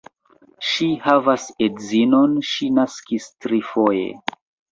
Ŝi havas edzon, ŝi naskis trifoje.